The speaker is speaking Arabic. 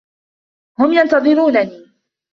هم ينتظرونني.